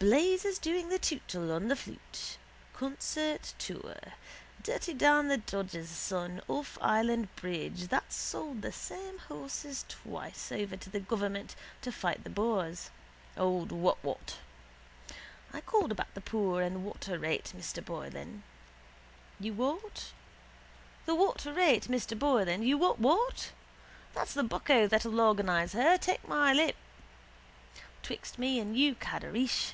Blazes doing the tootle on the flute. Concert tour. Dirty Dan the dodger's son off Island bridge that sold the same horses twice over to the government to fight the Boers. Old Whatwhat. I called about the poor and water rate, Mr Boylan. You what? The water rate, Mr Boylan. You whatwhat? That's the bucko that'll organise her, take my tip. 'Twixt me and you Caddareesh.